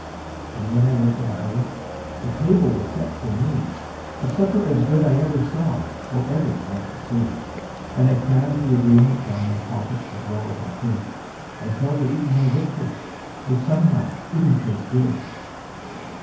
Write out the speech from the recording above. And when I went in the house the table was set for me As good a supper's I ever saw, or ever want to see; And I crammed the agreement down my pocket as well as I could, And fell to eatin' my victuals, which somehow didn't taste good.